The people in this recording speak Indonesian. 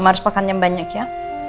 mama harus pakannya banyak ya